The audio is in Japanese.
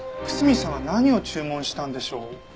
楠見さんは何を注文したんでしょう？